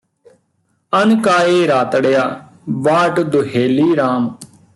ਅਨ ਕਾਏ ਰਾਤੜਿਆ ਵਾਟ ਦੁਹੇਲੀ Ram